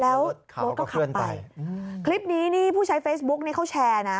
แล้วรถก็ขับไปคลิปนี้นี่ผู้ใช้เฟซบุ๊กนี่เขาแชร์นะ